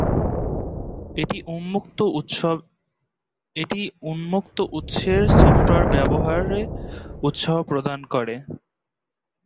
এটি উন্মুক্ত-উৎসের সফটওয়্যার ব্যবহারে উৎসাহ প্রদান করে।